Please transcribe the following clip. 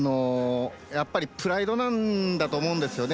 プライドなんだと思うんですよね。